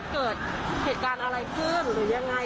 เกิดเหตุการณ์อะไรขึ้นหรือยังไง